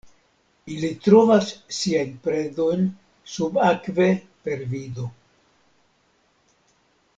Ili trovas siajn predojn subakve per vido.